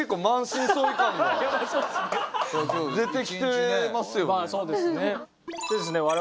まあそうですね。